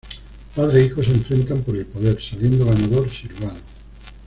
Padre e hijo se enfrentan por el poder, saliendo ganador Silvano.